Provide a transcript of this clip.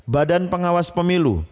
badan pengawas pemilu